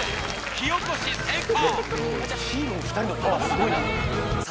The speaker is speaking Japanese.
火おこし成功